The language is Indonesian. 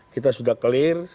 kita sudah clear